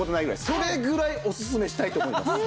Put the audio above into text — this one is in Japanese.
それぐらいオススメしたいと思います。